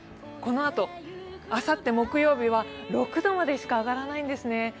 このあと、あさって木曜日は６度までしか上がらないんですね。